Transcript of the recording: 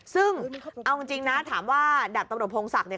ซึ่งเอาจริงนะถามว่าดับตำรวจพงศักดิ์เนี่ย